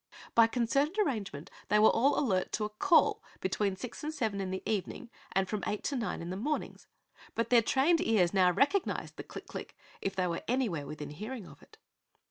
By concerted arrangement they were all alert to a "call" between six and seven in the evening and from eight to nine in the mornings, but their trained ears now recognized the click click! if they were anywhere within hearing of it.